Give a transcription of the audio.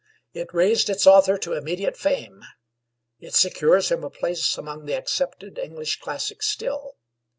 It raised its author to immediate fame. It secures him a place among the accepted English classics still.